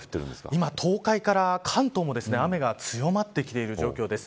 今、東海から関東も雨が強まってきています。